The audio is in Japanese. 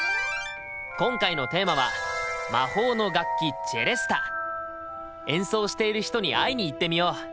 今回のテーマは演奏している人に会いに行ってみよう。